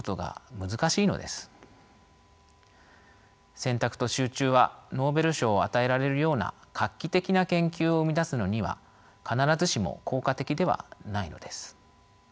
選択と集中はノーベル賞を与えられるような画期的な研究を生み出すのには必ずしも効果的ではないのです。